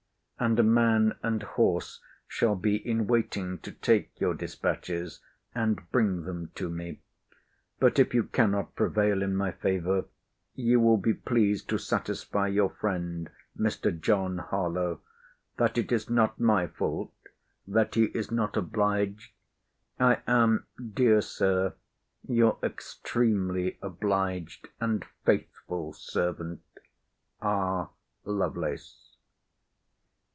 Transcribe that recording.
And a man and horse shall be in waiting to take your dispatches and bring them to me. But if you cannot prevail in my favour, you will be pleased to satisfy your friend, Mr. John Harlowe, that it is not my fault that he is not obliged. I am, dear Sir, Your extremely obliged and faithful servant, R. LOVELACE.